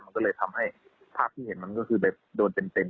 มันก็เลยทำให้ภาพที่เห็นมันก็คือแบบโดนเต็ม